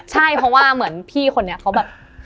ใช่เพราะว่าเหมือนพี่คนนี้เขาแบบ